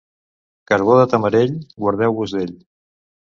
Carbó de tamarell, guardeu-vos d'ell.